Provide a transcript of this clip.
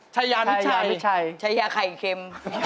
ใช้ยาย้ายเค็ม